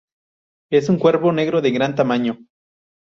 Es un cuervo negro de gran tamaño.